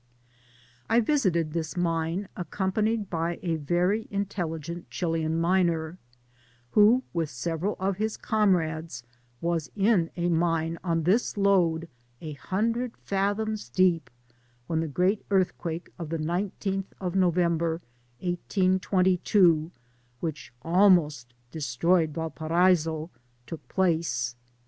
I visited this mine accompanied by a very intelli gent Chilian miner, who with several of his com rades was in a mine on this lode a hundred fathoms deep, when the great earthquake of the 19th of November 18S2, which almost destroyed Valparaiso, took place.